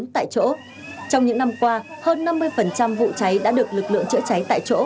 tại chỗ trong những năm qua hơn năm mươi vụ cháy đã được lực lượng chữa cháy tại chỗ